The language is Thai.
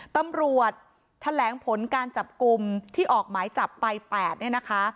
ตำรวจแถลงผลการจับกลุ่มที่ออกหมายจับไป๘เนี่ยนะคะ